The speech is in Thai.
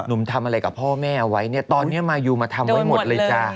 ทำอะไรกับพ่อแม่เอาไว้เนี่ยตอนนี้มายูมาทำไว้หมดเลยจ้า